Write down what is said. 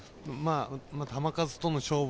球数との勝負